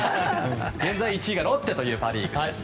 現在１位がロッテというパ・リーグです。